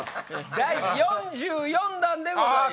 第４４弾でございます。